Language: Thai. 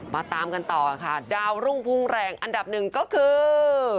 ตามกันต่อค่ะดาวรุ่งพุ่งแรงอันดับหนึ่งก็คือ